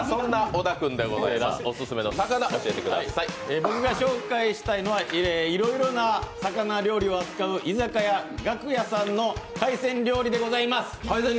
僕が紹介したいのはいろいろな魚料理を扱う居酒屋がくやさんの海鮮料理でございます。